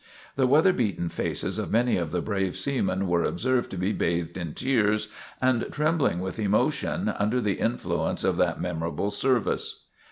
The weather beaten faces of many of the brave seamen were observed to be bathed in tears and trembling with emotion under the influence of that memorable service.